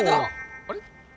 あれ？